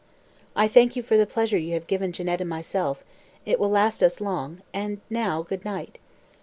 I thank you for the pleasure you have given Jeannette and myself, it will last us long; and now, good night."